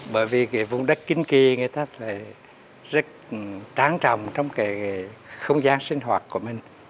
bởi vì cái vùng đất kinh kỳ người ta lại rất tráng trọng trong cái không gian sinh hoạt của mình